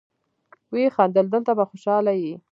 ويې خندل: دلته به خوشاله يې.